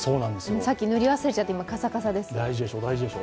さっき塗り忘れちゃってカサカサです。